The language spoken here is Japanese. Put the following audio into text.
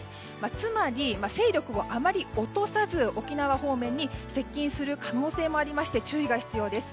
つまり、勢力をあまり落とさず沖縄方面に接近する可能性があり注意が必要です。